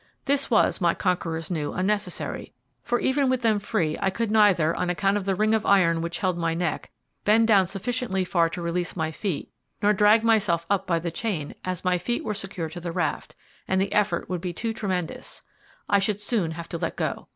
This was, my conquerors knew, unnecessary, for even with them free I could neither, on account of the ring of iron which held my neck, bend down sufficiently far to release my feet, nor drag myself up by the chain, as my feet were secured to the raft, and the effort would be too tremendous I should soon have to let go.